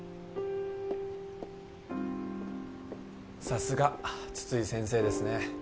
さすが津々井先生ですね。